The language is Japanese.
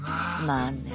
まあね。